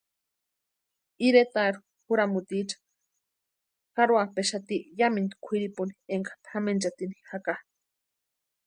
Iretaeri juramutiicha jarhuapʼexati yamintu kwʼirupuni énka pʼamenchatini jaka.